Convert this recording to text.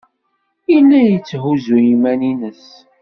Yella yetthuzzu iman-nnes.